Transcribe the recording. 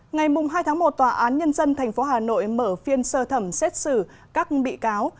ngày hai tháng một tòa án nhân dân tp hà nội mở phiên sơ thẩm xét xử các bị cáo